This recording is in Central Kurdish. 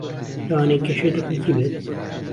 لەوانەیە کێشەی تەکنیکی بێت